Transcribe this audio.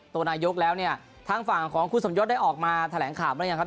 ตัวนายกแล้วเนี่ยทางฝั่งของคุณสมยศได้ออกมาแถลงข่าวหรือยังครับ